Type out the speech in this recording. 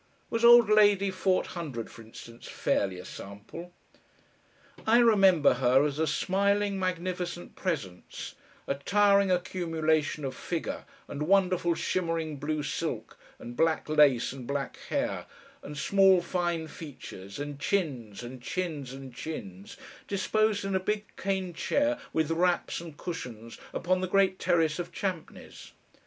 Was old Lady Forthundred, for instance, fairly a sample? I remember her as a smiling, magnificent presence, a towering accumulation of figure and wonderful shimmering blue silk and black lace and black hair, and small fine features and chins and chins and chins, disposed in a big cane chair with wraps and cushions upon the great terrace of Champneys.